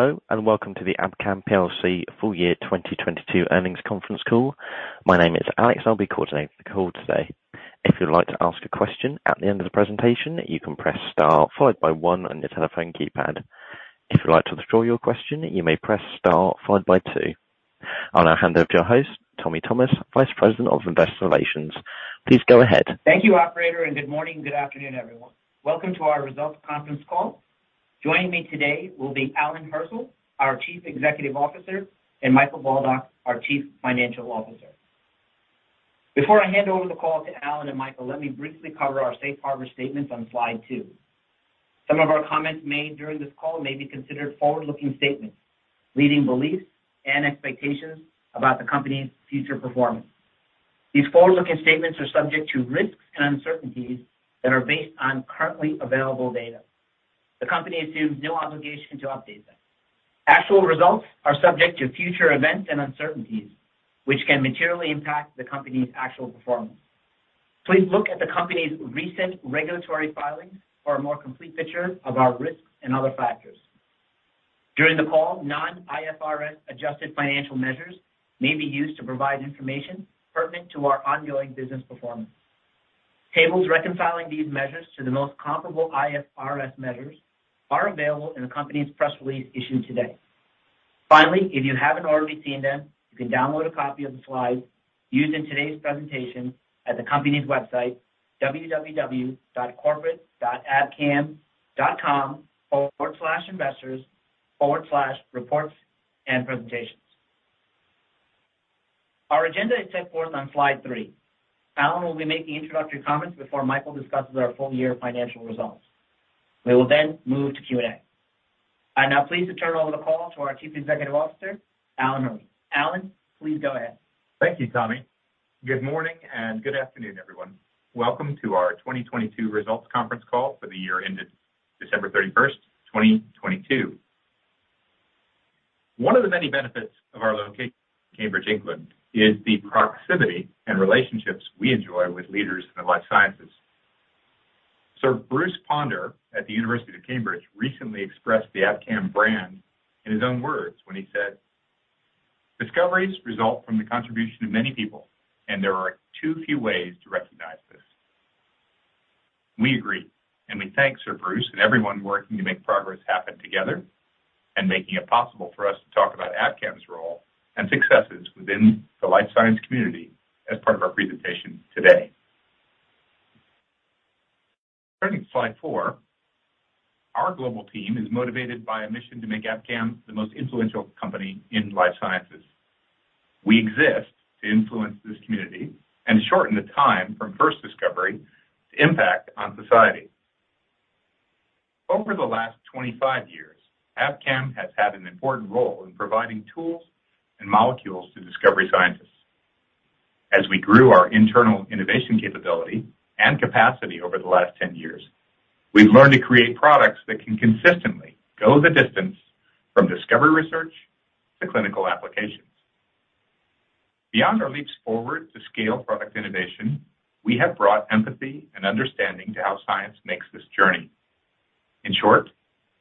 Hello, welcome to the Abcam plc full year 2022 earnings conference call. My name is Alex. I'll be coordinating the call today. If you'd like to ask a question at the end of the presentation, you can press star followed by one on your telephone keypad. If you'd like to withdraw your question, you may press star followed by two. I'll now hand over to your host, Tommy Thomas, Vice President of Investor Relations. Please go ahead. Thank you, operator, and good morning. Good afternoon, everyone. Welcome to our results conference call. Joining me today will be Alan Hirzel, our Chief Executive Officer, and Michael Baldock, our Chief Financial Officer. Before I hand over the call to Alan and Michael, let me briefly cover our safe harbor statements on slide two. Some of our comments made during this call may be considered forward-looking statements, leading beliefs and expectations about the company's future performance. These forward-looking statements are subject to risks and uncertainties that are based on currently available data. The company assumes no obligation to update them. Actual results are subject to future events and uncertainties, which can materially impact the company's actual performance. Please look at the company's recent regulatory filings for a more complete picture of our risks and other factors. During the call, non-IFRS adjusted financial measures may be used to provide information pertinent to our ongoing business performance. Tables reconciling these measures to the most comparable IFRS measures are available in the company's press release issued today. Finally, if you haven't already seen them, you can download a copy of the slides used in today's presentation at the company's website, www.corporate.abcam.com/investors/reports-and-presentations. Our agenda is set forth on slide three. Alan will be making introductory comments before Michael discusses our full year financial results. We will then move to Q&A. I'm now pleased to turn over the call to our Chief Executive Officer, Alan Hirzel. Alan, please go ahead. Thank you, Tommy. Good morning and good afternoon, everyone. Welcome to our 2022 results conference call for the year ended December 31st, 2022. One of the many benefits of our location in Cambridge, England, is the proximity and relationships we enjoy with leaders in the life sciences. Sir Bruce Ponder at the University of Cambridge recently expressed the Abcam brand in his own words when he said, "Discoveries result from the contribution of many people, and there are too few ways to recognize this." We agree. We thank Sir Bruce and everyone working to make progress happen together and making it possible for us to talk about Abcam's role and successes within the life science community as part of our presentation today. Turning to slide four, our global team is motivated by a mission to make Abcam the most influential company in life sciences. We exist to influence this community and shorten the time from first discovery to impact on society. Over the last 25 years, Abcam has had an important role in providing tools and molecules to discovery scientists. As we grew our internal innovation capability and capacity over the last 10 years, we've learned to create products that can consistently go the distance from discovery research to clinical applications. Beyond our leaps forward to scale product innovation, we have brought empathy and understanding to how science makes this journey. In short,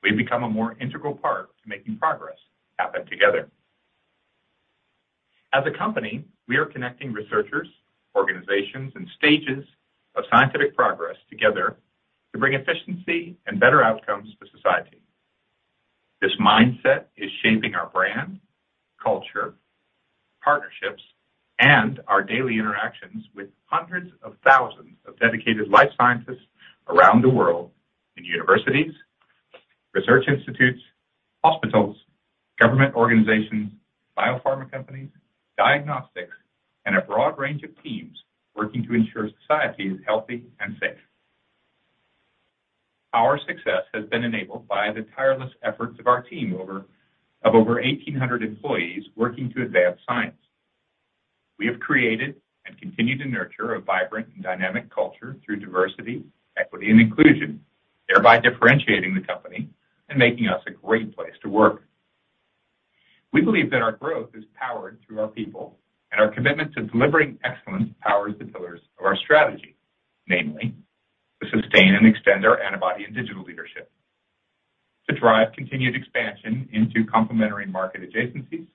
we've become a more integral part to making progress happen together. As a company, we are connecting researchers, organizations, and stages of scientific progress together to bring efficiency and better outcomes for society. This mindset is shaping our brand, culture, partnerships, and our daily interactions with hundreds of thousands of dedicated life scientists around the world in universities, research institutes, hospitals, government organizations, biopharma companies, diagnostics, and a broad range of teams working to ensure society is healthy and safe. Our success has been enabled by the tireless efforts of our team of over 1,800 employees working to advance science. We have created and continue to nurture a vibrant and dynamic culture through diversity, equity, and inclusion, thereby differentiating the company and making us a great place to work. We believe that our growth is powered through our people, and our commitment to delivering excellence powers the pillars of our strategy, namely, to sustain and extend our antibody and digital leadership, to drive continued expansion into complementary market adjacencies,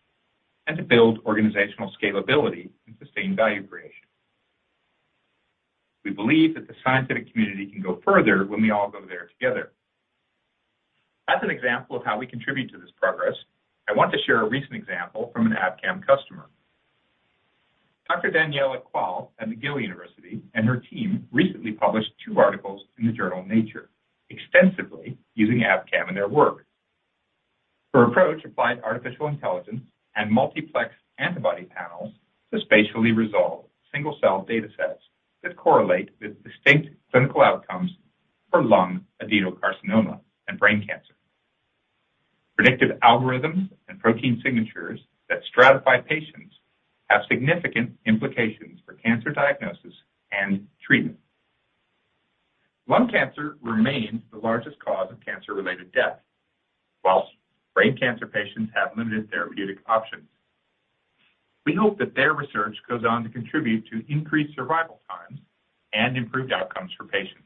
and to build organizational scalability and sustain value creation. We believe that the scientific community can go further when we all go there together. As an example of how we contribute to this progress, I want to share a recent example from an Abcam customer. Dr. Daniela Quail at McGill University and her team recently published two articles in the journal Nature, extensively using Abcam in their work. Her approach applied artificial intelligence and multiplex antibody panels to spatially resolve single-cell data sets that correlate with distinct clinical outcomes for lung adenocarcinoma and brain cancer. Predictive algorithms and protein signatures that stratify patients have significant implications for cancer diagnosis and treatment. Lung cancer remains the largest cause of cancer-related death, whilst brain cancer patients have limited therapeutic options. We hope that their research goes on to contribute to increased survival times and improved outcomes for patients.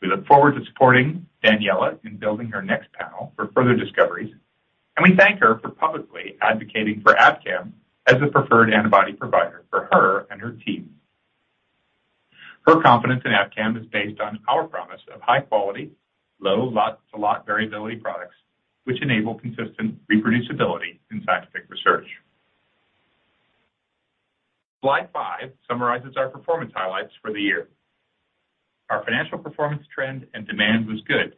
We look forward to supporting Daniela in building her next panel for further discoveries, and we thank her for publicly advocating for Abcam as a preferred antibody provider for her and her team. Her confidence in Abcam is based on our promise of high quality, low lot to lot variability products, which enable consistent reproducibility in scientific research. Slide five summarizes our performance highlights for the year. Our financial performance trend and demand was good,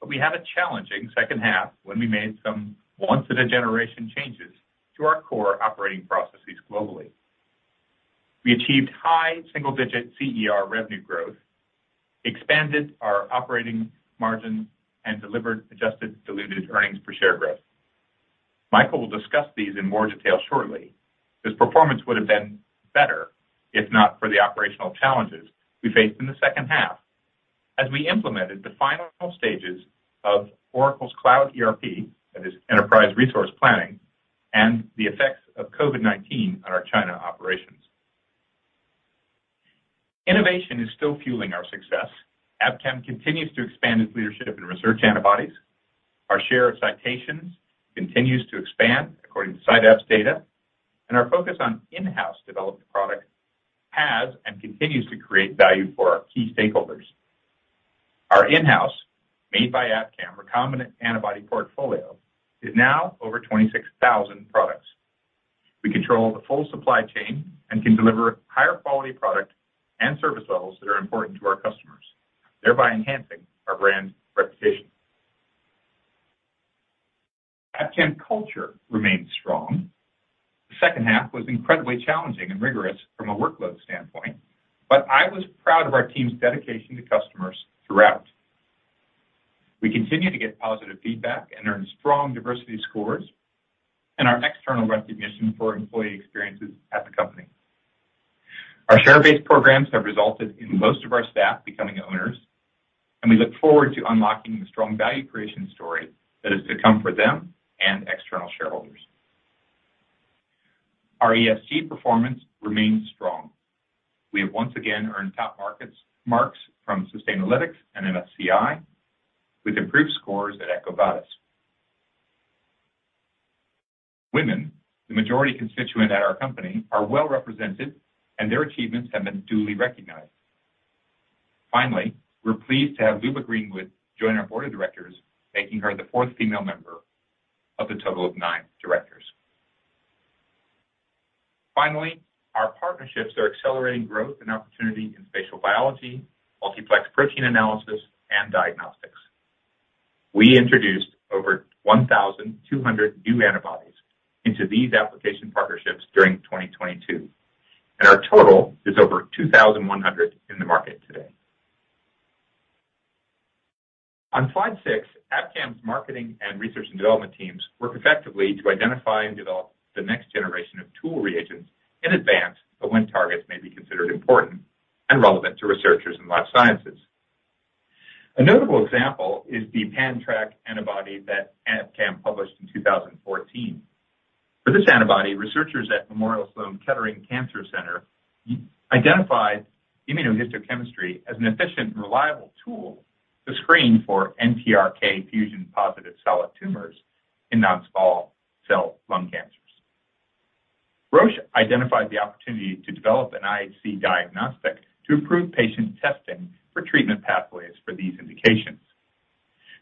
but we had a challenging second half when we made some once in a generation changes to our core operating processes globally. We achieved high single-digit CER revenue growth, expanded our operating margin, and delivered adjusted diluted earnings per share growth. Michael will discuss these in more detail shortly. This performance would have been better if not for the operational challenges we faced in the second half as we implemented the final stages of Oracle Cloud ERP, that is enterprise resource planning, and the effects of COVID-19 on our China operations. Innovation is still fueling our success. Abcam continues to expand its leadership in research antibodies. Our share of citations continues to expand according to CiteAb's data, and our focus on in-house developed product has and continues to create value for our key stakeholders. Our in-house Made By Abcam recombinant antibody portfolio is now over 26,000 products. We control the full supply chain and can deliver higher quality product and service levels that are important to our customers, thereby enhancing our brand reputation. Abcam culture remains strong. The second half was incredibly challenging and rigorous from a workload standpoint, but I was proud of our team's dedication to customers throughout. We continue to get positive feedback and earn strong diversity scores and our external recognition for employee experiences at the company. Our share-based programs have resulted in most of our staff becoming owners, and we look forward to unlocking the strong value creation story that is to come for them and external shareholders. Our ESG performance remains strong. We have once again earned top markets marks from Sustainalytics and MSCI, with improved scores at EcoVadis. Women, the majority constituent at our company, are well represented and their achievements have been duly recognized. Finally, we're pleased to have Luba Greenwood join our board of directors, making her the fourth female member of the total of nine directors. Finally, our partnerships are accelerating growth and opportunity in spatial biology, multiplex protein analysis and diagnostics. We introduced over 1,200 new antibodies into these application partnerships during 2022, and our total is over 2,100 in the market today. On slide six, Abcam's marketing and research and development teams work effectively to identify and develop the next generation of tool reagents in advance of when targets may be considered important and relevant to researchers in life sciences. A notable example is the pan-Trk antibody that Abcam published in 2014. For this antibody, researchers at Memorial Sloan Kettering Cancer Center identified immunohistochemistry as an efficient and reliable tool to screen for NTRK fusion positive solid tumors in non-small cell lung cancers. Roche identified the opportunity to develop an IHC diagnostic to improve patient testing for treatment pathways for these indications.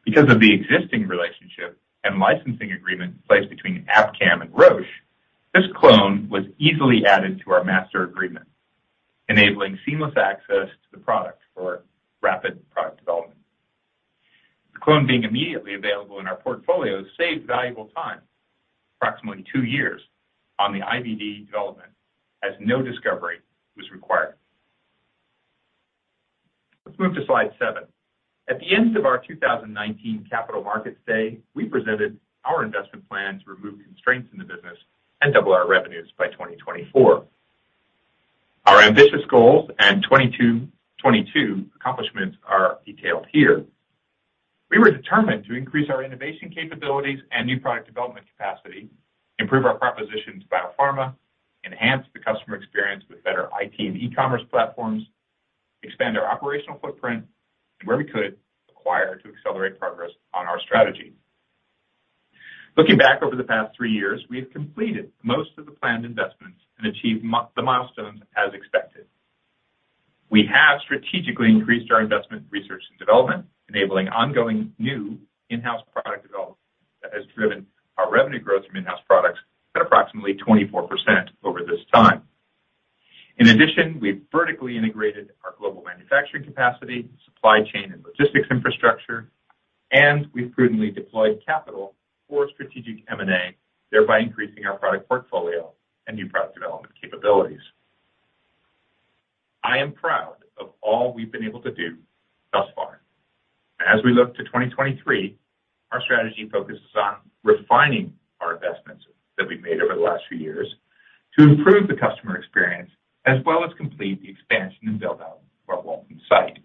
The existing relationship and licensing agreement in place between Abcam and Roche, this clone was easily added to our master agreement, enabling seamless access to the product for rapid product development. The clone being immediately available in our portfolio saved valuable time, approximately two years, on the IVD development, as no discovery was required. Let's move to slide seven. At the end of our 2019 Capital Markets Day, we presented our investment plan to remove constraints in the business and double our revenues by 2024. Our ambitious goals and 22 accomplishments are detailed here. We were determined to increase our innovation capabilities and new product development capacity, improve our proposition to biopharma, enhance the customer experience with better IT and e-commerce platforms, expand our operational footprint and where we could acquire to accelerate progress on our strategy. Looking back over the past three years, we have completed most of the planned investments and achieved the milestones as expected. We have strategically increased our investment in research and development, enabling ongoing new in-house product development that has driven our revenue growth from in-house products at approximately 24% over this time. We've vertically integrated our global manufacturing capacity, supply chain and logistics infrastructure, and we've prudently deployed capital for strategic M&A, thereby increasing our product portfolio and new product development capabilities. I am proud of all we've been able to do thus far. As we look to 2023, our strategy focuses on refining our investments that we've made over the last few years to improve the customer experience as well as complete the expansion and build out of our Waltham site.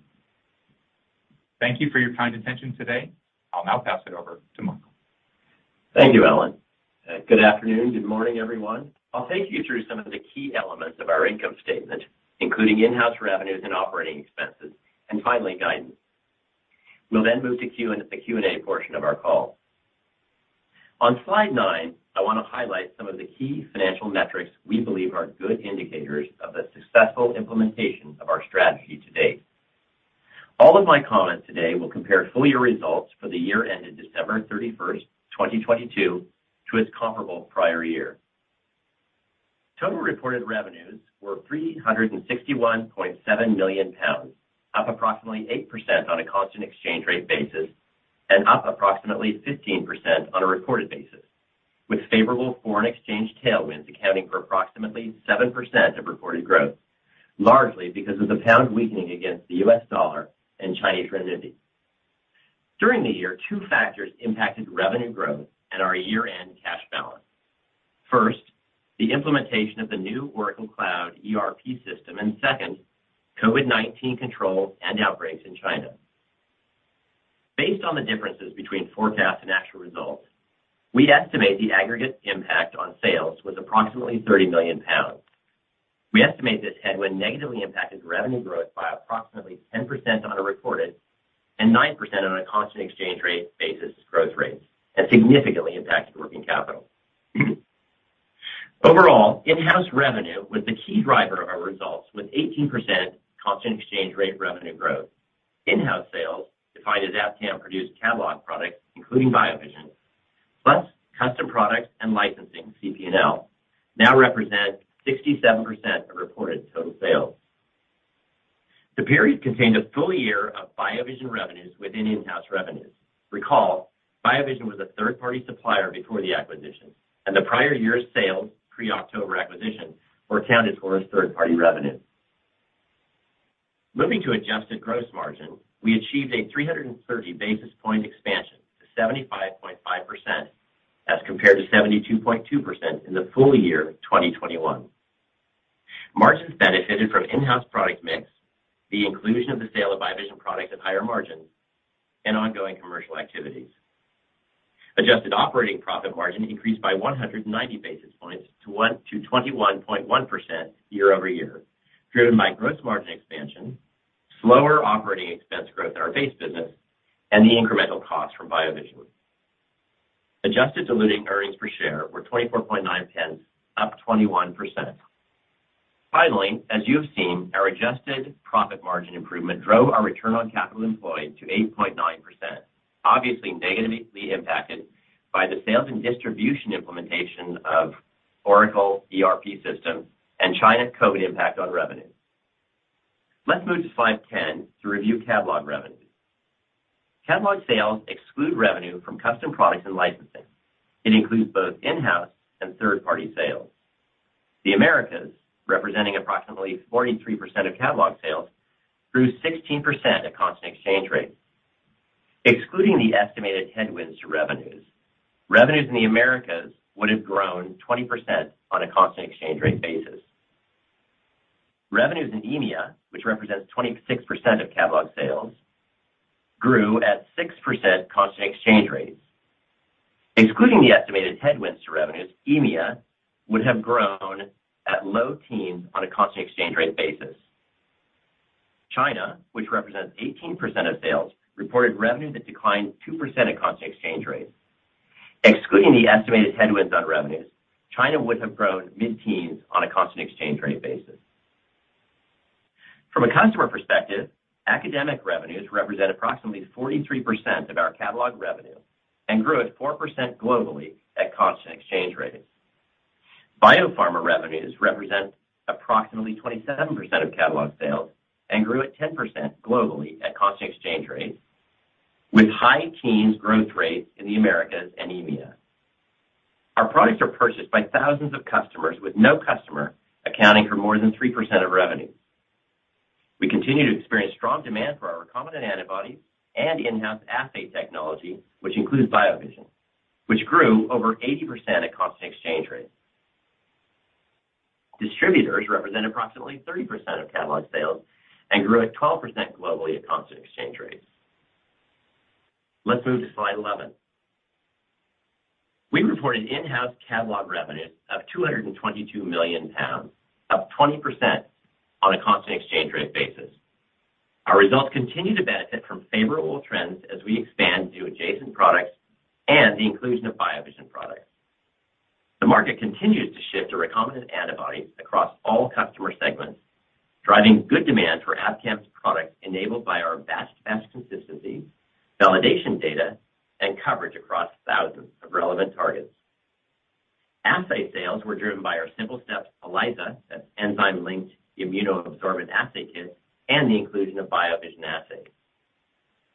Thank you for your kind attention today. I'll now pass it over to Michael. Thank you, Alan. Good afternoon, good morning, everyone. I'll take you through some of the key elements of our income statement, including in-house revenues and operating expenses, and finally guidance. We'll then move to the Q&A portion of our call. On slide nine, I wanna highlight some of the key financial metrics we believe are good indicators of a successful implementation of our strategy to date. All of my comments today will compare full year results for the year ended December 31st, 2022 to its comparable prior year. Total reported revenues were 361.7 million pounds, up approximately 8% on a constant exchange rate basis and up approximately 15% on a reported basis, with favorable foreign exchange tailwinds accounting for approximately 7% of reported growth, largely because of the pound weakening against the US dollar and Chinese renminbi. During the year, two factors impacted revenue growth and our year-end cash balance. First, the implementation of the new Oracle Cloud ERP system, second, COVID-19 controls and outbreaks in China. Based on the differences between forecast and actual results, we estimate the aggregate impact on sales was approximately 30 million pounds. We estimate this headwind negatively impacted revenue growth by approximately 10% on a reported and 9% on a constant exchange rate basis growth rates and significantly impacted working capital. Overall, in-house revenue was the key driver of our results with 18% constant exchange rate revenue growth. In-house sales, defined as Abcam produced catalog products, including BioVision, plus custom products and licensing, CP&L, now represent 67% of reported total sales. The period contained a full year of BioVision revenues within in-house revenues. Recall, BioVision was a third-party supplier before the acquisition, and the prior year's sales pre-October acquisition were accounted for as third-party revenue. Moving to adjusted gross margin, we achieved a 330 basis point expansion to 75.5% as compared to 72.2% in the full year 2021. Margins benefited from in-house product mix, the inclusion of the sale of BioVision products at higher margins, and ongoing commercial activities. Adjusted operating profit margin increased by 190 basis points to 21.1% year-over-year, driven by gross margin expansion, slower operating expense growth in our base business, and the incremental cost from BioVision. Adjusted diluting earnings per share were 0.249, up 21%. Finally, as you have seen, our adjusted profit margin improvement drove our return on capital employed to 8.9%, obviously negatively impacted by the sales and distribution implementation of Oracle ERP system and China COVID impact on revenue. Let's move to slide 10 to review catalog revenue. Catalog sales exclude revenue from custom products and licensing. It includes both in-house and third-party sales. The Americas, representing approximately 43% of catalog sales, grew 16% at constant exchange rates. Excluding the estimated headwinds to revenues in the Americas would have grown 20% on a constant exchange rate basis. Revenues in EMEA, which represents 26% of catalog sales, grew at 6% constant exchange rates. Excluding the estimated headwinds to revenues, EMEA would have grown at low teens on a constant exchange rate basis. China, which represents 18% of sales, reported revenue that declined 2% at constant exchange rates. Excluding the estimated headwinds on revenues, China would have grown mid-teens on a constant exchange rate basis. From a customer perspective, academic revenues represent approximately 43% of our catalog revenue and grew at 4% globally at constant exchange rates. Biopharma revenues represent approximately 27% of catalog sales and grew at 10% globally at constant exchange rates, with high teens growth rates in the Americas and EMEA. Our products are purchased by thousands of customers, with no customer accounting for more than 3% of revenue. We continue to experience strong demand for our recombinant antibodies and in-house assay technology, which includes BioVision, which grew over 80% at constant exchange rates. Distributors represent approximately 30% of catalog sales and grew at 12% globally at constant exchange rates. Let's move to slide 11. We reported in-house catalog revenue of 222 million pounds, up 20% on a constant exchange rate basis. Our results continue to benefit from favorable trends as we expand to adjacent products and the inclusion of BioVision products. The market continues to shift to recombinant antibodies across all customer segments, driving good demand for Abcam's products enabled by our best consistency, validation data, and coverage across thousands of relevant targets. Assay sales were driven by our SimpleStep ELISA, that's enzyme-linked immunosorbent assay kits, and the inclusion of BioVision assays.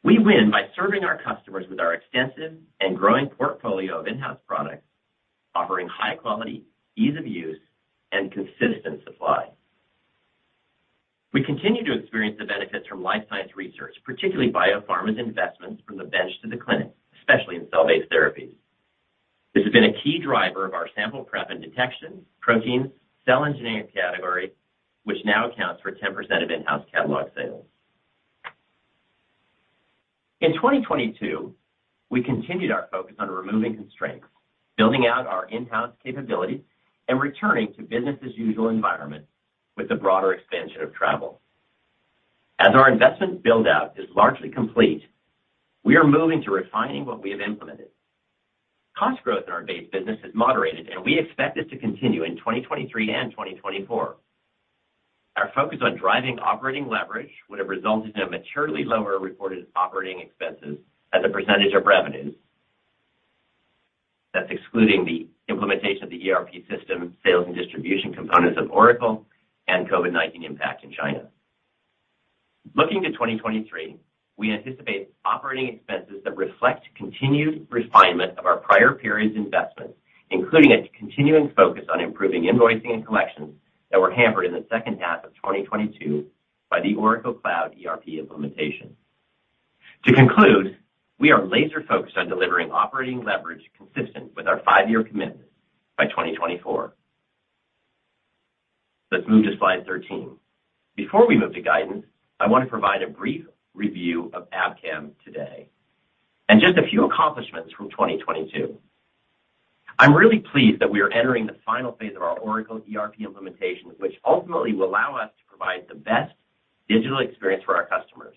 We win by serving our customers with our extensive and growing portfolio of in-house products, offering high quality, ease of use, and consistent supply. We continue to experience the benefits from life science research, particularly biopharma's investments from the bench to the clinic, especially in cell-based therapies. This has been a key driver of our sample prep and detection, proteins, cell engineering category, which now accounts for 10% of in-house catalog sales. In 2022, we continued our focus on removing constraints, building out our in-house capabilities, and returning to business as usual environment with the broader expansion of travel. As our investment build-out is largely complete, we are moving to refining what we have implemented. Cost growth in our base business has moderated, and we expect it to continue in 2023 and 2024. Our focus on driving operating leverage would have resulted in a materially lower reported OpEx as a percentage of revenues. That's excluding the implementation of the ERP system, sales and distribution components of Oracle and COVID-19 impact in China. Looking to 2023, we anticipate operating expenses that reflect continued refinement of our prior periods investments, including a continuing focus on improving invoicing and collections that were hampered in the second half of 2022 by the Oracle Cloud ERP implementation. To conclude, we are laser-focused on delivering operating leverage consistent with our five-year commitments by 2024. Let's move to slide 13. Before we move to guidance, I want to provide a brief review of Abcam today and just a few accomplishments from 2022. I'm really pleased that we are entering the final phase of our Oracle ERP implementation, which ultimately will allow us to provide the best digital experience for our customers.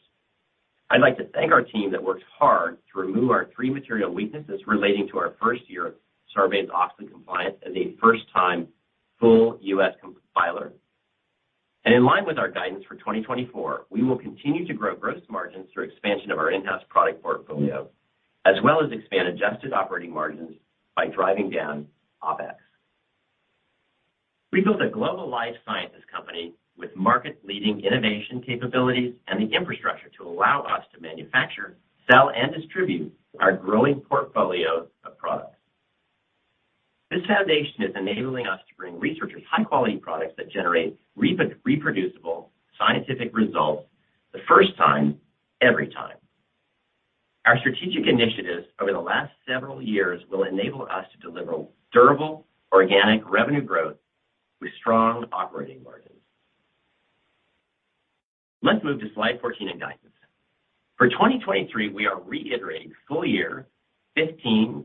I'd like to thank our team that worked hard to remove our three material weaknesses relating to our first year of Sarbanes-Oxley compliance as a first-time full U.S. compiler. In line with our guidance for 2024, we will continue to grow gross margins through expansion of our in-house product portfolio, as well as expand adjusted operating margins by driving down OpEx. We built a global life sciences company with market-leading innovation capabilities and the infrastructure to allow us to manufacture, sell, and distribute our growing portfolio of products. This foundation is enabling us to bring researchers high-quality products that generate reproducible scientific results the first time, every time. Our strategic initiatives over the last several years will enable us to deliver durable organic revenue growth with strong operating margins. Let's move to slide 14 and guidance. For 2023, we are reiterating full year 15%-20%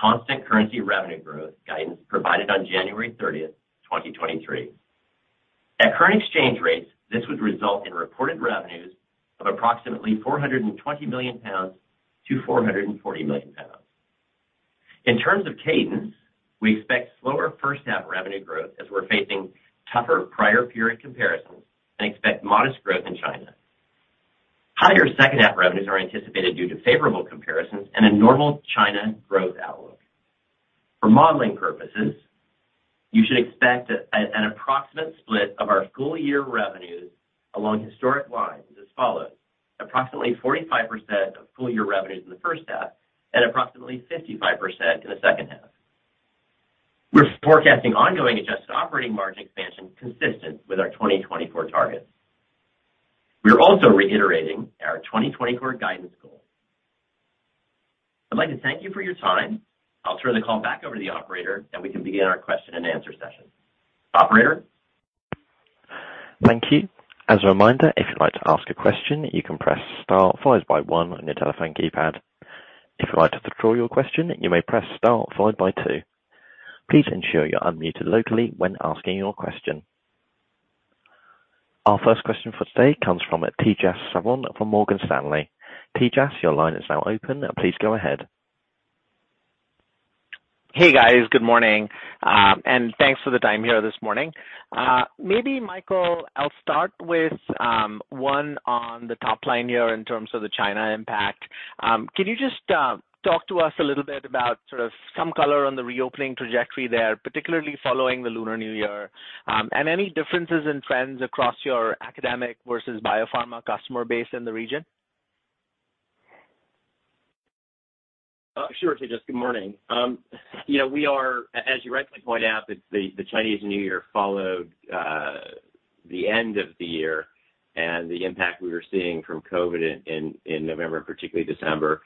constant currency revenue growth guidance provided on January 30th, 2023. At current exchange rates, this would result in reported revenues of approximately 420 million-440 million pounds. In terms of cadence, we expect slower first half revenue growth as we're facing tougher prior period comparisons and expect modest growth in China. Higher second half revenues are anticipated due to favorable comparisons and a normal China growth outlook. For modeling purposes, you should expect an approximate split of our full year revenues along historic lines as follows, approximately 45% of full year revenues in the first half and approximately 55% in the second half. We're forecasting ongoing adjusted operating margin expansion consistent with our 2024 targets. We are also reiterating our 2024 guidance goal. I'd like to thank you for your time. I'll turn the call back over to the operator, and we can begin our question and answer session. Operator? Thank you. As a reminder, if you'd like to ask a question, you can press star followed by one on your telephone keypad. If you'd like to withdraw your question, you may press star followed by two. Please ensure you're unmuted locally when asking your question. Our first question for today comes from Tejas Savant from Morgan Stanley. Tejas, your line is now open. Please go ahead. Hey, guys. Good morning, and thanks for the time here this morning. Maybe, Michael, I'll start with one on the top line here in terms of the China impact. Can you just talk to us a little bit about sort of some color on the reopening trajectory there, particularly following the Lunar New Year, and any differences in trends across your academic versus biopharma customer base in the region? Sure, Tejas. Good morning. You know, as you rightly point out, the Chinese New Year followed the end of the year and the impact we were seeing from COVID in November, particularly December.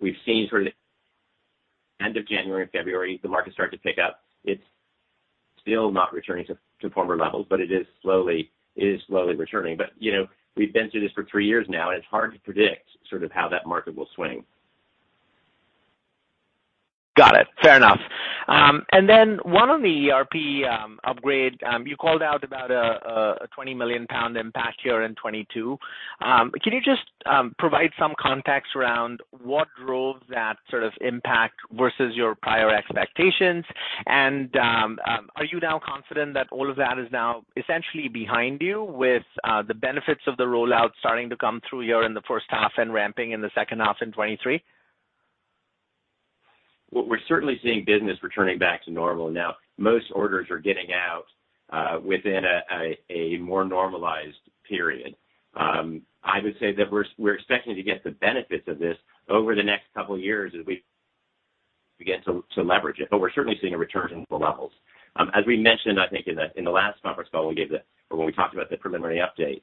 We've seen sort of end of January and February, the market start to pick up. It's still not returning to former levels, but it is slowly returning. You know, we've been through this for three years now. It's hard to predict sort of how that market will swing. Got it. Fair enough. One on the ERP upgrade. You called out about a 20 million pound impact here in 2022. Can you just provide some context around what drove that sort of impact versus your prior expectations? Are you now confident that all of that is now essentially behind you with the benefits of the rollout starting to come through here in the first half and ramping in the second half in 2023? We're certainly seeing business returning back to normal now. Most orders are getting out within a more normalized period. I would say that we're expecting to get the benefits of this over the next couple years as we begin to leverage it. We're certainly seeing a return to normal levels. As we mentioned, I think in the last conference call when we talked about the preliminary update,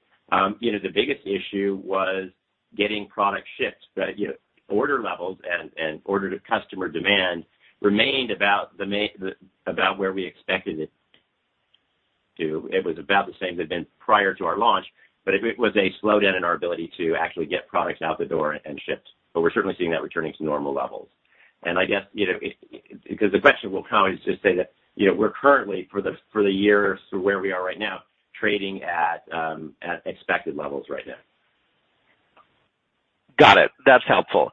you know, the biggest issue was getting product shipped. You know, order levels and order to customer demand remained about where we expected it to. It was about the same as had been prior to our launch, but it was a slowdown in our ability to actually get products out the door and shipped. We're certainly seeing that returning to normal levels. I guess, you know, because the question will come, I would just say that, you know, we're currently for the, for the year, so where we are right now, trading at expected levels right now. Got it. That's helpful.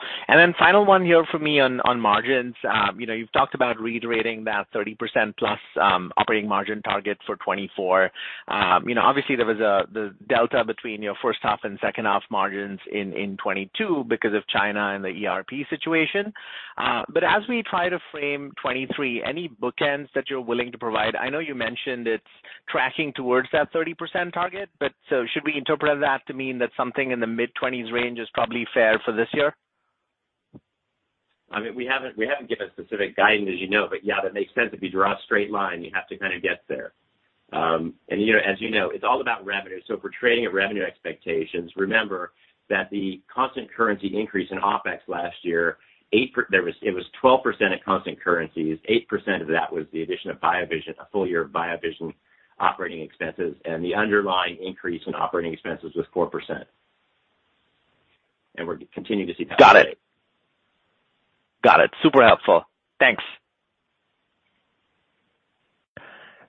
Final one here from me on margins. You know, you've talked about reiterating that 30%+ operating margin target for 2024. You know, obviously, there was the delta between your first half and second half margins in 2022 because of China and the ERP situation. As we try to frame 2023, any bookends that you're willing to provide? I know you mentioned it's tracking towards that 30% target, should we interpret that to mean that something in the mid-20s range is probably fair for this year? I mean, we haven't given specific guidance, as you know. Yeah, that makes sense. If you draw a straight line, you have to kind of get there. you know, as you know, it's all about revenue. If we're trading at revenue expectations, remember that the constant currency increase in OpEx last year, it was 12% at constant currencies. 8% of that was the addition of BioVision, a full year of BioVision operating expenses, and the underlying increase in operating expenses was 4%. we're continuing to see that. Got it. Got it. Super helpful. Thanks.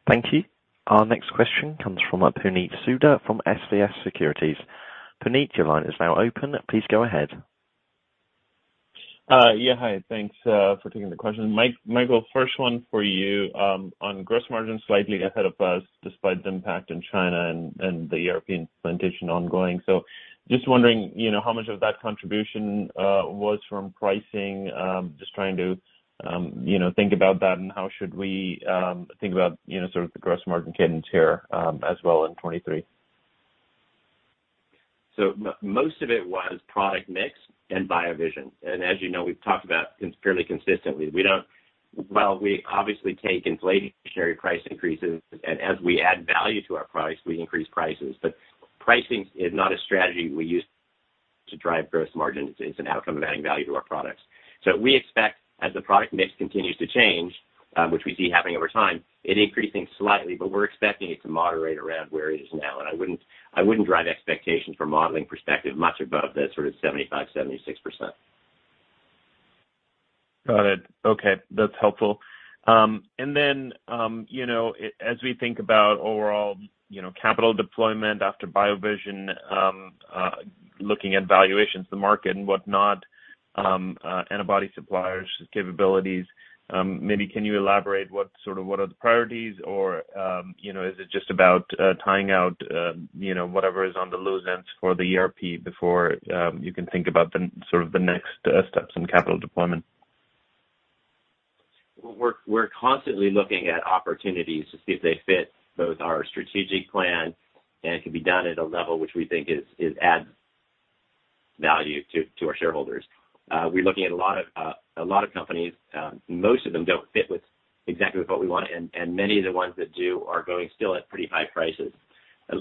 Thank you. Our next question comes from Puneet Souda from SVB Securities. Puneet, your line is now open. Please go ahead. Hi. Thanks for taking the question. Michael, first one for you, on gross margin slightly ahead of us, despite the impact in China and the European implementation ongoing. Just wondering, you know, how much of that contribution was from pricing? Just trying to, you know, think about that and how should we think about, you know, sort of the gross margin cadence here, as well in 2023. Most of it was product mix and BioVision. As you know, we've talked about fairly consistently, we don't. Well, we obviously take inflationary price increases, and as we add value to our price, we increase prices. Pricing is not a strategy we use to drive gross margins. It's an outcome of adding value to our products. We expect, as the product mix continues to change, which we see happening over time, it increasing slightly, but we're expecting it to moderate around where it is now. I wouldn't drive expectations from a modeling perspective much above that sort of 75%-76%. Got it. Okay. That's helpful. You know, as we think about overall, you know, capital deployment after BioVision, looking at valuations, the market and whatnot, antibody suppliers' capabilities, maybe can you elaborate what are the priorities or, you know, is it just about tying out, you know, whatever is on the loose ends for the ERP before, you can think about the, sort of the next, steps in capital deployment? We're constantly looking at opportunities to see if they fit both our strategic plan and can be done at a level which we think is adds value to our shareholders. We're looking at a lot of companies. Most of them don't fit with exactly with what we want, and many of the ones that do are going still at pretty high prices.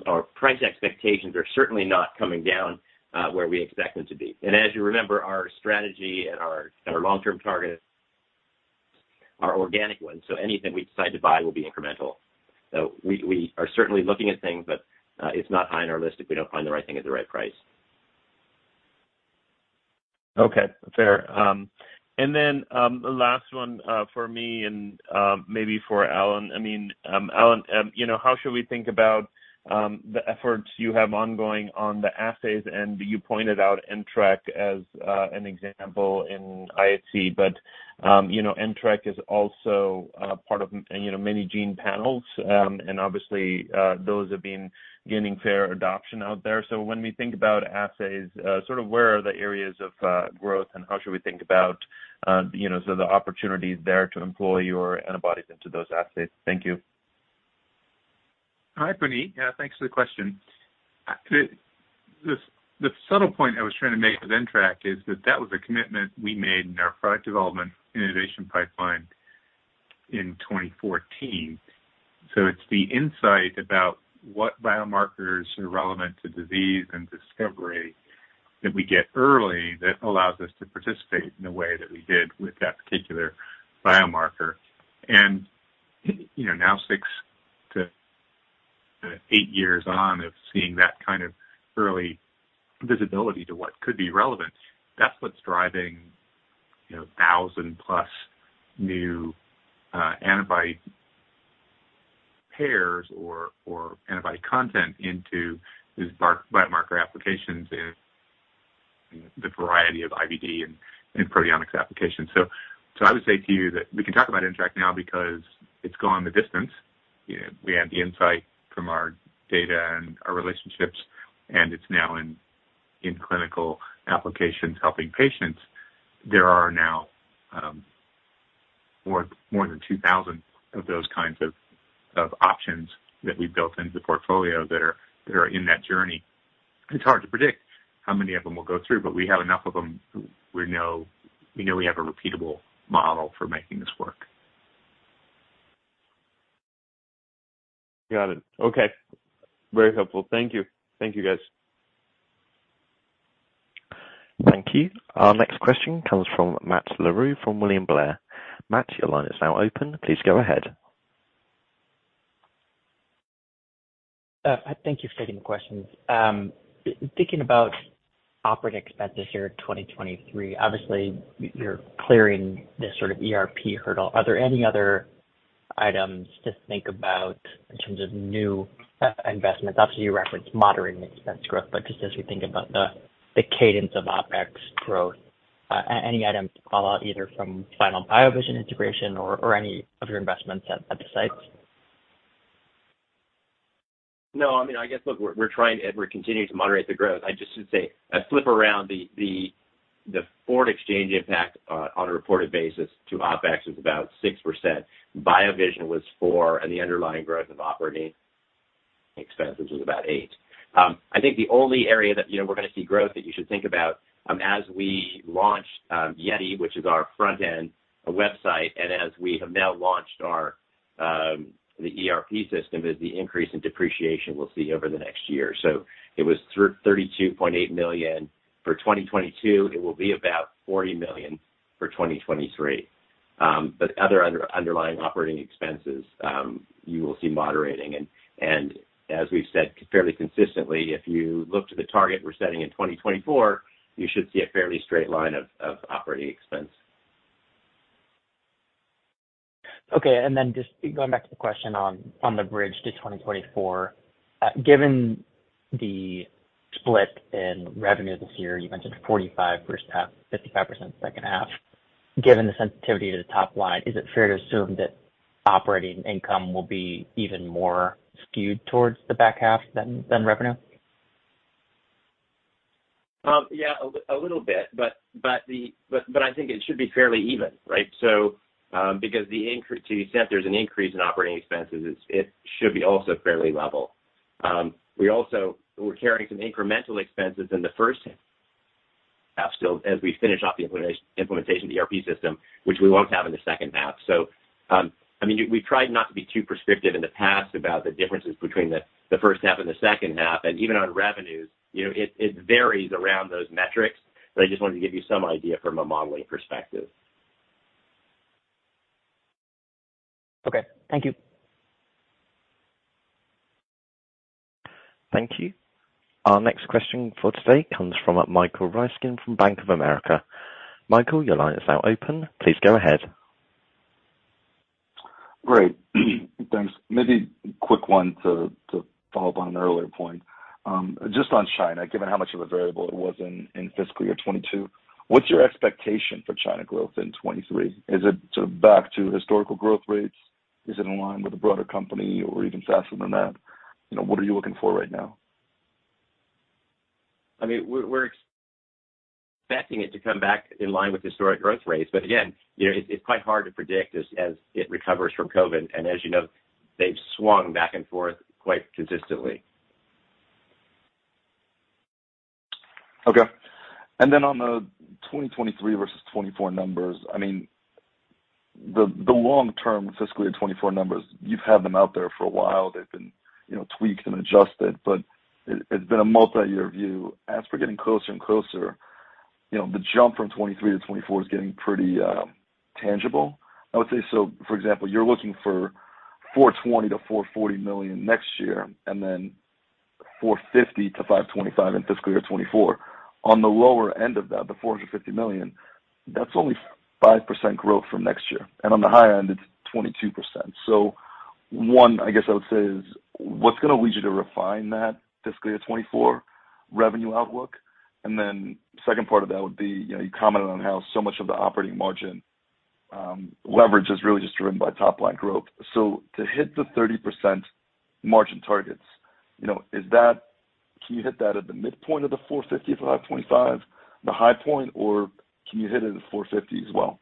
Our price expectations are certainly not coming down where we expect them to be. As you remember, our strategy and our long-term targets are organic ones, so anything we decide to buy will be incremental. We are certainly looking at things, but it's not high on our list if we don't find the right thing at the right price. Okay. Fair. Last one for me and maybe for Alan. Alan, how should we think about the efforts you have ongoing on the assays? You pointed out Entrectinib as an example in IHC. Entrectinib is also part of many gene panels. Obviously, those have been gaining fair adoption out there. When we think about assays, sort of where are the areas of growth and how should we think about the opportunities there to employ your antibodies into those assays? Thank you. Hi, Puneet. Thanks for the question. The subtle point I was trying to make with Entrectinib is that that was a commitment we made in our product development and innovation pipeline in 2014. It's the insight about what biomarkers are relevant to disease and discovery that we get early that allows us to participate in the way that we did with that particular biomarker. You know, now six to eight years on of seeing that kind of early visibility to what could be relevant, that's what's driving, you know, 1,000+ new antibody pairs or antibody content into these biomarker applications and the variety of IVD and proteomics applications. I would say to you that we can talk about Entrectinib now because it's gone the distance. You know, we have the insight from our data and our relationships, and it's now in clinical applications helping patients. There are now, more than 2,000 of those kinds of options that we've built into the portfolio that are, that are in that journey. It's hard to predict how many of them will go through, but we have enough of them, you know, we know we have a repeatable model for making this work. Got it. Okay. Very helpful. Thank you. Thank you, guys. Thank you. Our next question comes from Matt Larew from William Blair. Matt, your line is now open. Please go ahead. Thank you for taking the questions. Thinking about operating expenses here in 2023, obviously you're clearing this sort of ERP hurdle. Are there any other items to think about in terms of new investments? Obviously, you referenced moderating the expense growth, but just as we think about the cadence of OpEx growth, any items to call out, either from final BioVision integration or any of your investments at the sites? No, I mean, I guess, look, we're trying to and we're continuing to moderate the growth. I just should say, a flip around the foreign exchange impact on a reported basis to OpEx was about 6%. BioVision was 4%, and the underlying growth of operating expenses was about 8%. I think the only area that, you know, we're gonna see growth that you should think about as we launch YETI, which is our front-end website, and as we have now launched our the ERP system, is the increase in depreciation we'll see over the next year. So it was 32.8 million. For 2022, it will be about 40 million for 2023. Other underlying operating expenses, you will see moderating. As we've said fairly consistently, if you look to the target we're setting in 2024, you should see a fairly straight line of operating expense. Just going back to the question on the bridge to 2024, given the split in revenue this year, you mentioned 45% first half, 55% second half. Given the sensitivity to the top line, is it fair to assume that operating income will be even more skewed towards the back half than revenue? Yeah, a little bit, but I think it should be fairly even, right? Because the increase, as you said, there's an increase in operating expenses, it's, it should be also fairly level. We're carrying some incremental expenses in the first half still as we finish off the implementation of the ERP system, which we won't have in the second half. I mean, we've tried not to be too prescriptive in the past about the differences between the first half and the second half. Even on revenues, you know, it varies around those metrics. I just wanted to give you some idea from a modeling perspective. Okay, thank you. Thank you. Our next question for today comes from Michael Ryskin from Bank of America. Michael, your line is now open. Please go ahead. Great. Thanks. Maybe a quick one to follow-up on an earlier point. Just on China, given how much of a variable it was in fiscal year 2022, what's your expectation for China growth in 2023? Is it sort of back to historical growth rates? Is it in line with the broader company or even faster than that? You know, what are you looking for right now? I mean, we're expecting it to come back in line with historic growth rates. Again, you know, it's quite hard to predict as it recovers from COVID. As you know, they've swung back and forth quite consistently. Okay. On the 2023 versus 2024 numbers, I mean, the long-term fiscal year 2024 numbers, you've had them out there for a while. They've been, you know, tweaked and adjusted, but it's been a multi-year view. As we're getting closer and closer, you know, the jump from 2023 to 2024 is getting pretty tangible. I would say for example, you're looking for 420 million-440 million next year, and then 450 million-525 million in fiscal year 2024. On the lower end of that, the 450 million, that's only 5% growth from next year, and on the high end, it's 22%. One, I guess I would say is what's gonna lead you to refine that fiscal year 2024 revenue outlook? Second part of that would be, you know, you commented on how so much of the operating margin leverage is really just driven by top-line growth. To hit the 30% margin targets, you know, can you hit that at the midpoint of the 450, 5.5, the high point, or can you hit it at the 450 as well?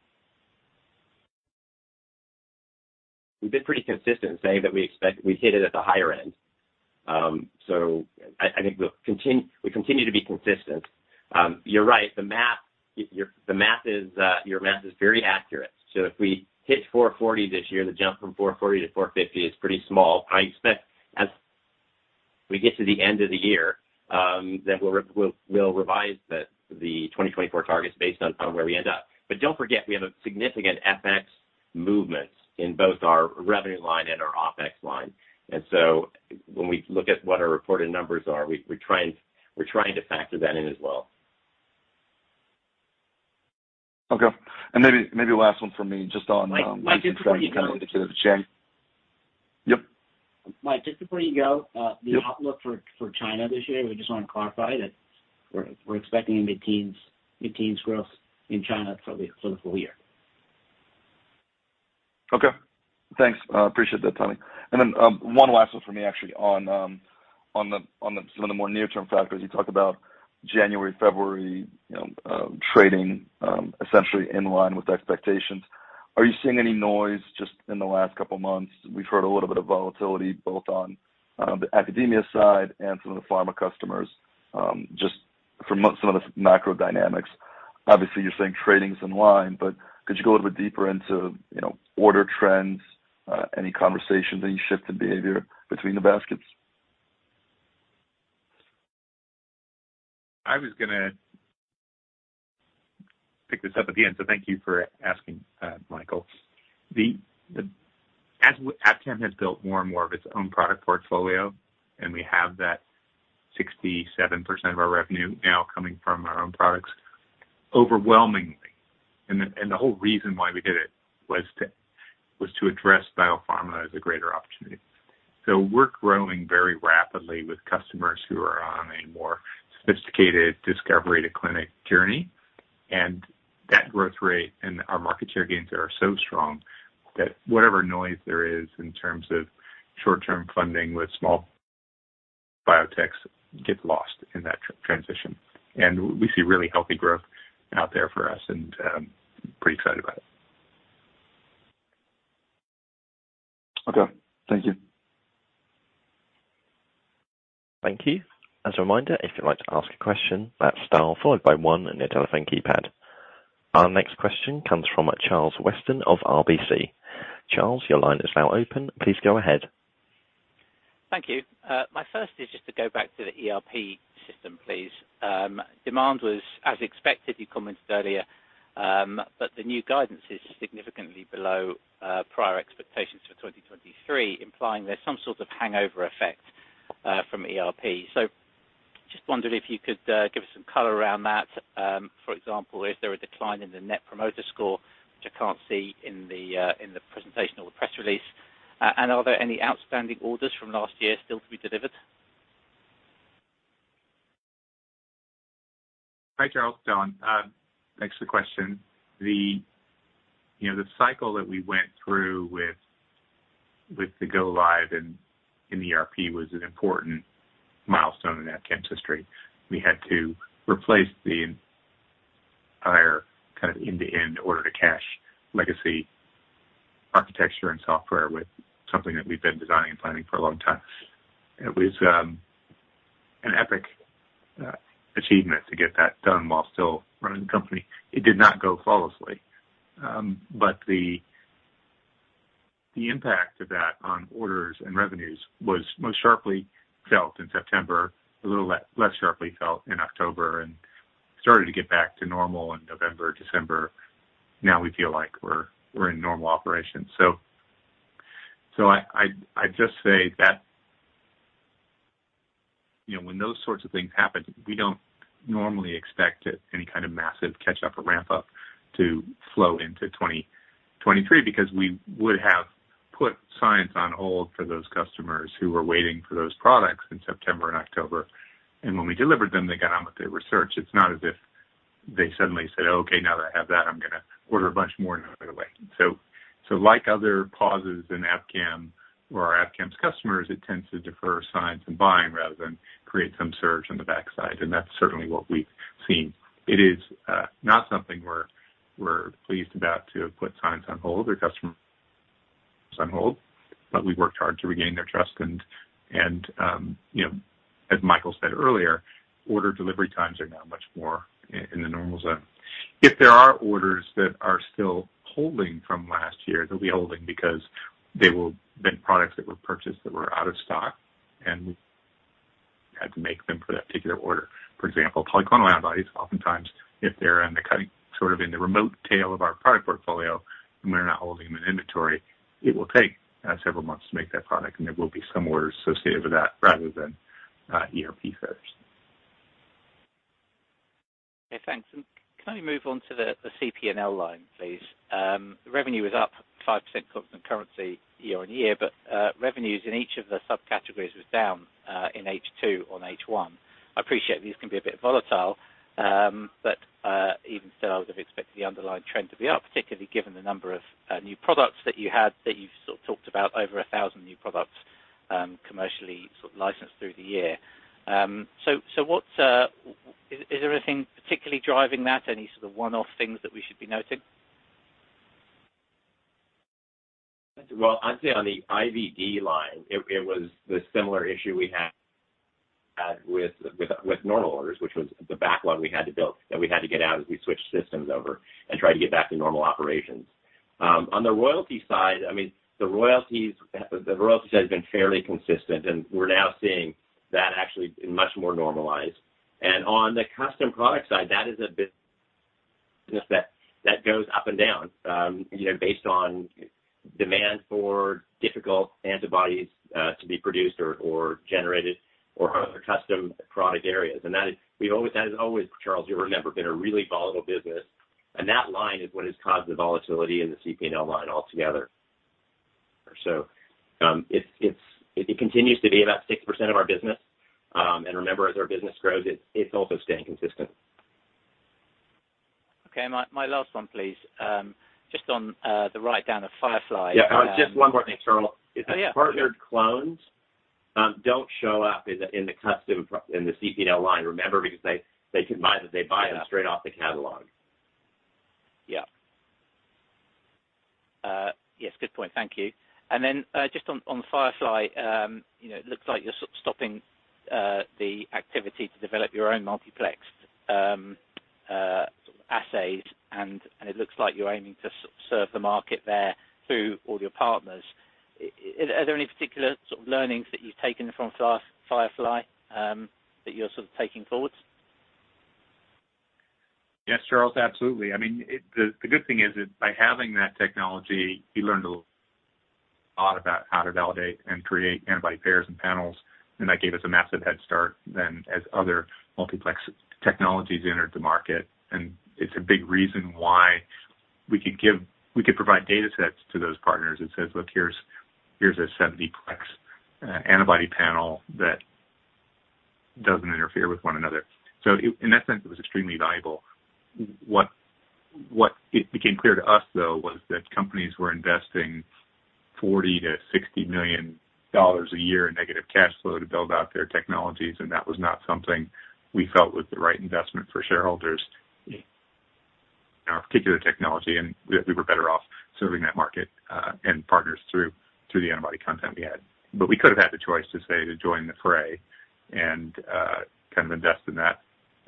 We've been pretty consistent saying that we expect we hit it at the higher end. I think we continue to be consistent. You're right. The math, your math is very accurate. If we hit 440 this year, the jump from 440-450 is pretty small. I expect as we get to the end of the year, we'll revise the 2024 targets based on where we end up. Don't forget, we have a significant FX movements in both our revenue line and our OpEx line. When we look at what our reported numbers are, we're trying to factor that in as well. Okay. Maybe last one for me, just on. Mike, just before you go. Yep. Michael, just before you go. Yep. The outlook for China this year, we just wanna clarify that we're expecting a mid-teens growth in China for the full year. Okay. Thanks. I appreciate that, Tony. One last one for me actually on the some of the more near-term factors you talked about. January, February, you know, trading, essentially in line with expectations. Are you seeing any noise just in the last couple months? We've heard a little bit of volatility both on the academia side and some of the pharma customers, just from some of the macro dynamics. Obviously, you're saying trading's in line, but could you go a little bit deeper into, you know, order trends, any conversations, any shift in behavior between the baskets? I was gonna pick this up again, so thank you for asking, Michael. Abcam has built more and more of its own product portfolio, and we have that 67% of our revenue now coming from our own products overwhelmingly. The, and the whole reason why we did it was to, was to address biopharma as a greater opportunity. We're growing very rapidly with customers who are on a more sophisticated discovery to clinic journey, and that growth rate and our market share gains are so strong that whatever noise there is in terms of short-term funding with small biotechs gets lost in that transition. We see really healthy growth out there for us and pretty excited about it. Okay. Thank you. Thank you. As a reminder, if you'd like to ask a question, that's star followed by one on your telephone keypad. Our next question comes from Charles Weston of RBC. Charles, your line is now open. Please go ahead. Thank you. My first is just to go back to the ERP system, please. Demand was as expected, you commented earlier, but the new guidance is significantly below prior expectations for 2023, implying there's some sort of hangover effect from ERP. Just wondered if you could give us some color around that. For example, is there a decline in the net promoter score, which I can't see in the presentation or the press release? Are there any outstanding orders from last year still to be delivered? Hi, Charles. John, thanks for the question. You know, the cycle that we went through with the go live in ERP was an important milestone in Abcam's history. We had to replace the entire kind of end-to-end order-to-cash legacy architecture and software with something that we've been designing and planning for a long time. It was an epic achievement to get that done while still running the company. It did not go flawlessly, but the impact of that on orders and revenues was most sharply felt in September, a little less sharply felt in October, and started to get back to normal in November, December. Now we feel like we're in normal operations. I'd just say that, you know, when those sorts of things happen, we don't normally expect any kind of massive catch-up or ramp-up to flow into 2023 because we would have put science on hold for those customers who were waiting for those products in September and October. When we delivered them, they got on with their research. It's not as if they suddenly said, "Oh, okay, now that I have that, I'm gonna order a bunch more right away." Like other pauses in Abcam or Abcam's customers, it tends to defer science and buying rather than create some surge on the backside, and that's certainly what we've seen. It is not something we're pleased about to have put science on hold or customers on hold, we've worked hard to regain their trust. You know, as Michael said earlier, order delivery times are now much more in the normal zone. If there are orders that are still holding from last year, they'll be holding because they will been products that were purchased that were out of stock, and we had to make them for that particular order. For example, polyclonal antibodies, oftentimes, if they're in the cutting sort of in the remote tail of our product portfolio and we're not holding them in inventory, it will take several months to make that product and there will be some orders associated with that rather than ERP errors. Okay. Thanks. Can I move on to the CP&L line, please? Revenue is up 5% constant currency year-over-year. Revenues in each of the subcategories was down in H2 on H1. I appreciate these can be a bit volatile. Even still, I would have expected the underlying trend to be up, particularly given the number of new products that you had that you've sort of talked about over 1,000 new products, commercially sort of licensed through the year. What is there anything particularly driving that? Any sort of one-off things that we should be noting? Well, I'd say on the IVD line it was the similar issue we had with normal orders, which was the backlog we had to build, that we had to get out as we switched systems over and try to get back to normal operations. On the royalty side, I mean, the royalties has been fairly consistent, we're now seeing that actually much more normalized. On the custom product side, that is business that goes up and down, you know, based on demand for difficult antibodies to be produced or generated or other custom product areas. That has always, Charles, you'll remember, been a really volatile business and that line is what has caused the volatility in the CP&L line altogether. It continues to be about 6% of our business. Remember, as our business grows, it's also staying consistent. Okay. My last one, please. Just on the write-down of Firefly. Yeah. Oh, just one more thing, Charles. Oh, yeah. It's the partnered clones, don't show up in the CPL line, remember? They combine that they buy. Yeah. Straight off the catalog. Yeah. Yes, good point. Thank you. Just on Firefly, you know, looks like you're stopping the activity to develop your own multiplex sort of assays and it looks like you're aiming to serve the market there through all your partners. Are there any particular sort of learnings that you've taken from Firefly that you're sort of taking forwards? Yes, Charles, absolutely. I mean, the good thing is that by having that technology, we learned a lot about how to validate and create antibody pairs and panels, and that gave us a massive head start than as other multiplex technologies entered the market. It's a big reason why we could provide data sets to those partners that says, "Look, here's a 70-plex antibody panel that doesn't interfere with one another." In that sense, it was extremely valuable. What it became clear to us, though, was that companies were investing $40 million-$60 million a year in negative cash flow to build out their technologies, and that was not something we felt was the right investment for shareholders in our particular technology, and we were better off serving that market and partners through the antibody content we had. We could have had the choice to, say, to join the fray and kind of invest in that.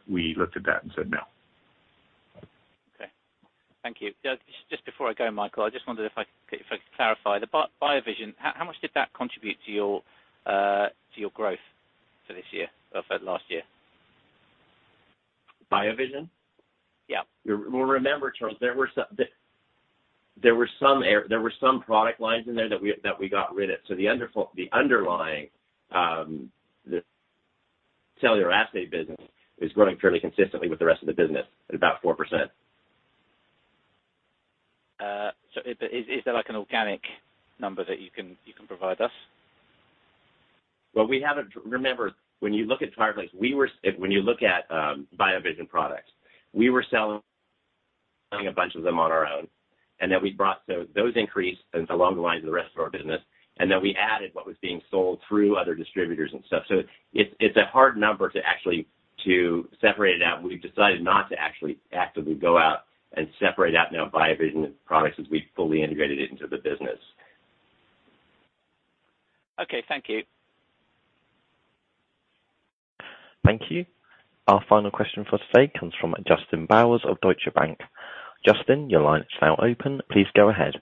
We looked at that and said no. Okay. Thank you. Just before I go, Michael, I just wondered if I could clarify. The BioVision, how much did that contribute to your growth for this year or for last year? BioVision? Yeah. Remember, Charles Weston, there were some product lines in there that we got rid of. The underlying, the cellular assay business is growing fairly consistently with the rest of the business at about 4%. Is there, like, an organic number that you can provide us? Well, we haven't. Remember, when you look at FirePlex, when you look at BioVision products, we were selling a bunch of them on our own. Those increased and along the lines of the rest of our business, and then we added what was being sold through other distributors and stuff. It's a hard number to actually separate it out. We've decided not to actually actively go out and separate out now BioVision products as we fully integrated it into the business. Okay. Thank you. Thank you. Our final question for today comes from Justin Bowers of Deutsche Bank. Justin, your line is now open. Please go ahead.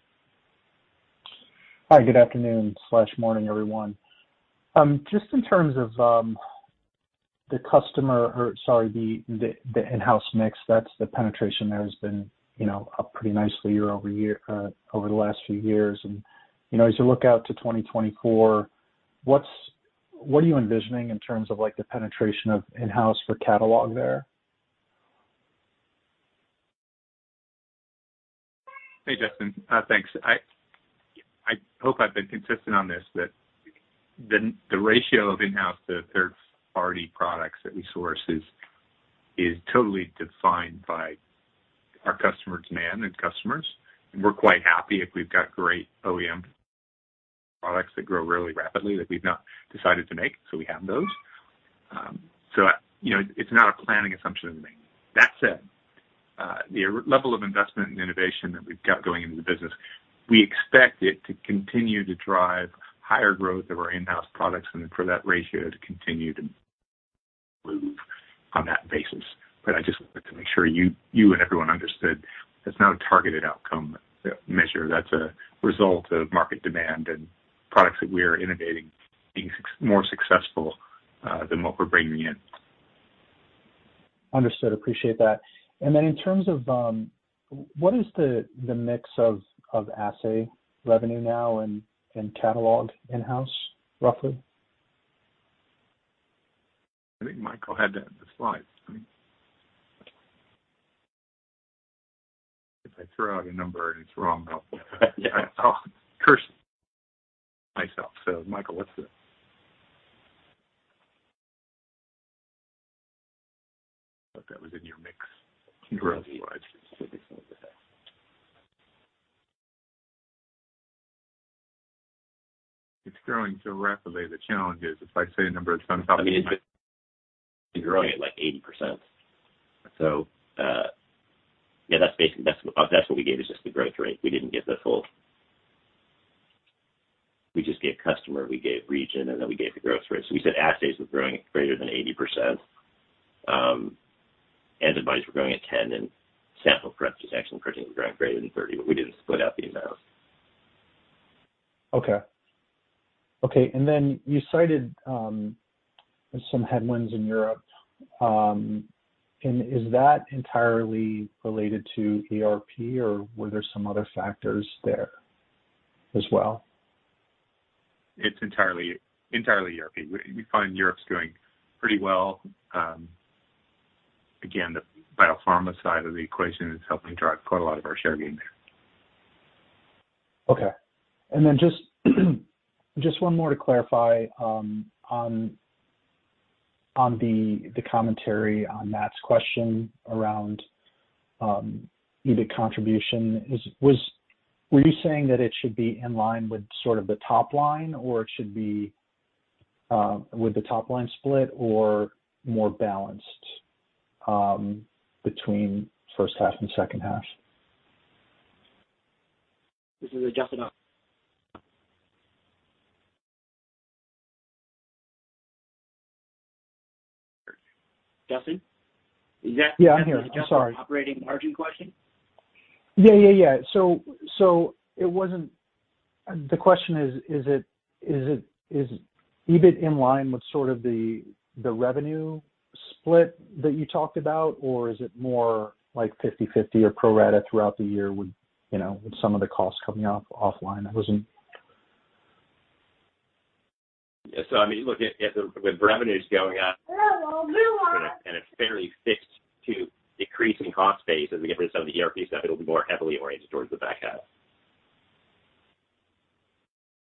Hi, good afternoon/morning, everyone. Just in terms of, the customer or, sorry, the in-house mix, that's the penetration there has been, you know, up pretty nicely year-over-year, over the last few years. You know, as you look out to 2024, what are you envisioning in terms of, like, the penetration of in-house for catalog there? Hey, Justin. Thanks. I hope I've been consistent on this, that the ratio of in-house to third-party products that we source is totally defined by our customer demand and customers. We're quite happy if we've got great OEM products that grow really rapidly that we've not decided to make, so we have those. So, you know, it's not a planning assumption to me. That said, the level of investment and innovation that we've got going into the business, we expect it to continue to drive higher growth of our in-house products and for that ratio to continue to move on that basis. I just wanted to make sure you and everyone understood that's not a targeted outcome measure. That's a result of market demand and products that we are innovating being more successful than what we're bringing in. Understood. Appreciate that. Then in terms of, what is the mix of assay revenue now and catalog in-house, roughly? I think Michael had that in the slides. I mean, if I throw out a number and it's wrong, I'll curse myself. Michael, what's the? Thought that was in your mix growth slides. It's growing so rapidly, the challenge is if I say a number that's on top of It's growing at, like, 80%. Yeah, that's basically, that's what we gave is just the growth rate. We didn't give the full. We just gave customer, we gave region, and then we gave the growth rate. We said assays was growing at greater than 80%. Antibodies were growing at 10, and sample prep, which is actually pretty, was growing greater than 30, but we didn't split out the amount. Okay. Okay. Then you cited some headwinds in Europe. Is that entirely related to ARP or were there some other factors there as well? It's entirely ARP. We find Europe's doing pretty well. Again, the biopharma side of the equation is helping drive quite a lot of our share gain there. Okay. Just one more to clarify, on the commentary on Matt's question around EBIT contribution. Were you saying that it should be in line with sort of the top line or it should be with the top line split or more balanced between first half and second half? This is Justin. Justin? Yeah, I'm here. I'm sorry. Is that the operating margin question? Yeah, yeah. It wasn't. The question is it, is EBIT in line with sort of the revenue split that you talked about, or is it more like 50/50 or pro rata throughout the year with, you know, with some of the costs coming offline? I wasn't. I mean, look, as with revenues going up and a fairly fixed to decreasing cost base as we get rid of some of the ERP stuff, it'll be more heavily oriented towards the back half.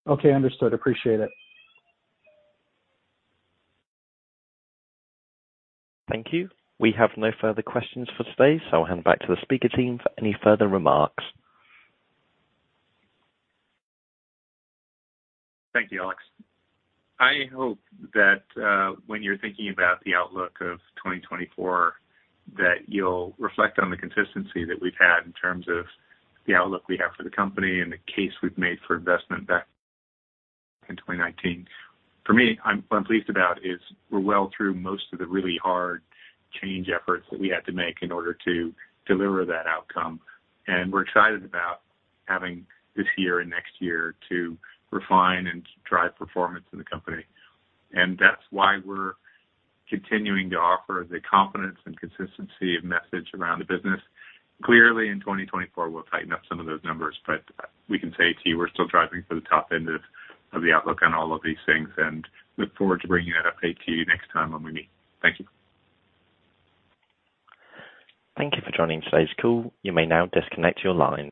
Okay, understood. Appreciate it. Thank you. We have no further questions for today, so I'll hand back to the speaker team for any further remarks. Thank you, Alex. I hope that when you're thinking about the outlook of 2024, that you'll reflect on the consistency that we've had in terms of the outlook we have for the company and the case we've made for investment back in 2019. For me, what I'm pleased about is we're well through most of the really hard change efforts that we had to make in order to deliver that outcome. We're excited about having this year and next year to refine and drive performance in the company. That's why we're continuing to offer the confidence and consistency of message around the business. Clearly, in 2024, we'll tighten up some of those numbers, but we can say to you, we're still driving for the top end of the outlook on all of these things and look forward to bringing that update to you next time when we meet. Thank you. Thank you for joining today's call. You may now disconnect your line.